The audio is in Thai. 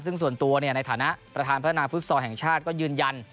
ซึ่งส่วนตัวในฐานะประธานพัฒนาฟุตซอลแห่งชาติก็ยืนยัน